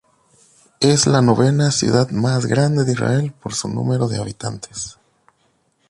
Es la novena ciudad más grande de Israel por su número de habitantes.